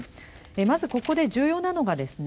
まずここで重要なのがですね